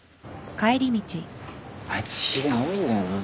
あいつひげ青いんだよなぁ。